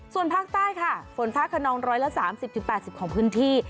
ส่วนภาคใต้ค่ะฝนฟ้าขนอง๑๓๐๘๐ของพื้นที่